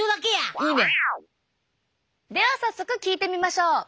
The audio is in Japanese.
では早速聞いてみましょう。